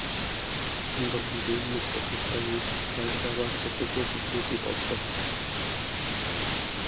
আন্দোলনটি উন্মুক্ত তথ্য এবং সফটওয়্যার ব্যবহার করতে প্রতিশ্রুতিবদ্ধ।